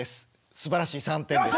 すばらしい３点です。